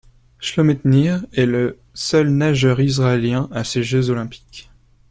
Shlomit Nir est le seul nageur israélien à ces Jeux olympiques.